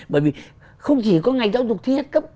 bởi vì không chỉ có ngành giáo dục thi hết cấp